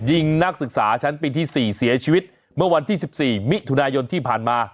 ยิงนักศึกษาชั้นปีที่๔เสียชีวิตเมื่อวันที่๑๔มิถุนายนที่ผ่านมา